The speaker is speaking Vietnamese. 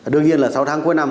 đương nhiên là sáu tháng cuối năm